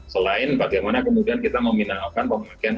selain bagaimana kemudian kita meminalkan pemakaian